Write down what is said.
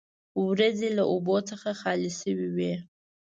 وریځې له اوبو څخه خالي شوې وې.